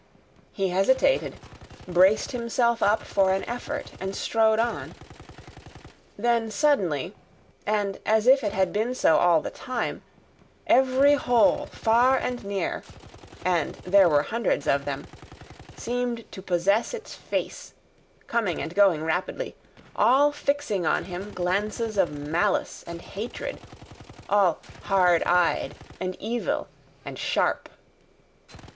He hesitated—braced himself up for an effort and strode on. Then suddenly, and as if it had been so all the time, every hole, far and near, and there were hundreds of them, seemed to possess its face, coming and going rapidly, all fixing on him glances of malice and hatred: all hard eyed and evil and sharp.